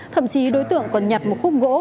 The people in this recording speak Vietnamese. thậm chí đối tượng còn nhặt một khúc gỗ